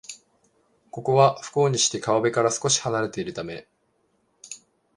ここは、不幸にして川辺から少しはなれているため